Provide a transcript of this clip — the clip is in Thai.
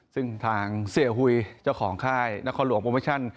ซึ่งทางเสียหุยเจ้าของค่ายนครหลวงโปรโมชั่น